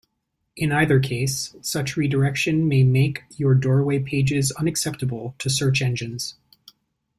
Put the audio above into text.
In either case, such redirection may make your doorway pages unacceptable to search engines.